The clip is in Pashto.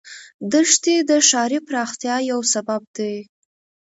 دښتې د ښاري پراختیا یو سبب دی.